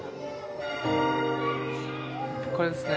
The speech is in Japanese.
これですね。